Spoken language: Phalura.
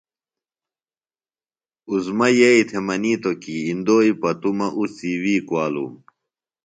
عظمیٰ یئی تھےۡ منِیتوۡ کی اِندوئی پتُوۡ مہ اُڅی وی کُوالُوم۔